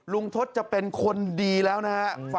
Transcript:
ทศจะเป็นคนดีแล้วนะฮะ